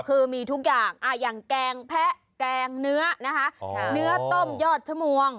เราอ่านความหลักของรู้